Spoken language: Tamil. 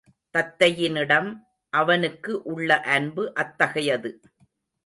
தத்தையினிடம் அவனுக்கு உள்ள அன்பு அத்தகையது.